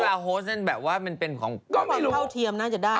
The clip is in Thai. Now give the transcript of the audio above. โฮสนั่นแบบว่ามันเป็นของก็ไม่เท่าเทียมน่าจะได้